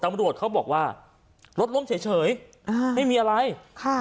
ตำรวจเขาบอกว่ารถล้มเฉยเฉยอ่าไม่มีอะไรค่ะ